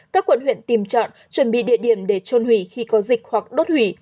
các quận huyện tìm chọn chuẩn bị địa điểm để trôn hủy khi có dịch hoặc đốt hủy